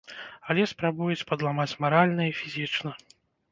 Але спрабуюць падламаць маральна і фізічна.